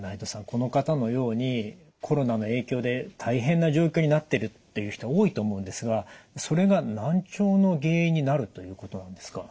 この方のようにコロナの影響で大変な状況になってるっていう人多いと思うんですがそれが難聴の原因になるということなんですか。